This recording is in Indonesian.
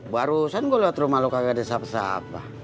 barusan gue liat rumah lu kagak ada siapa siapa